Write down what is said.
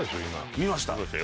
見ましたよ。